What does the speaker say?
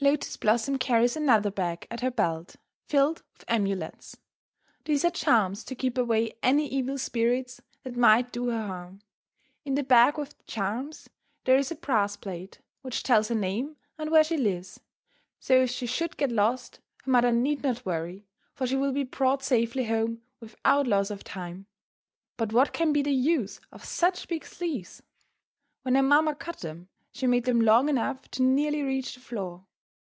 Lotus Blossom carries another bag at her belt, filled with amulets. These are charms to keep away any evil spirits that might do her harm. In the bag with the charms, there is a brass plate, which tells her name and where she lives. So if she should get lost, her mother need not worry, for she will be brought safely home without loss of time. But what can be the use of such big sleeves? When her mamma cut them, she made them long enough to nearly reach the floor.